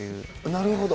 なるほど。